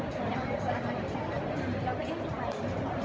พี่แม่ที่เว้นได้รับความรู้สึกมากกว่า